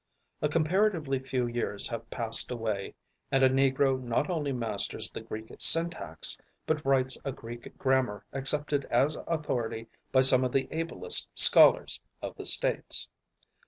A comparatively few years have passed away, and a Negro not only masters the Greek syntax, but writes a Greek grammar accepted as authority by some of the ablest scholars of the States.